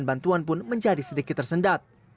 bantuan pun menjadi sedikit tersendat